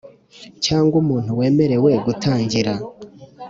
cyangwa umuntu wemerewe gutangira.